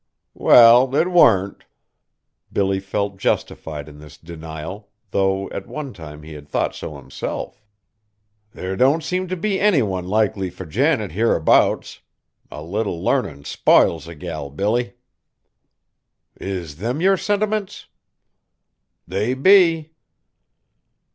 "Well, 't warn't." Billy felt justified in this denial, though at one time he had thought so himself. "There don't seem t' be any one likely fur Janet hereabouts. A little larnin' spiles a gal, Billy." "Is them yer sentimints?" "They be."